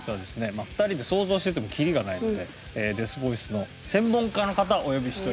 まあ２人で想像してても切りがないのでデスボイスの専門家の方をお呼びしております。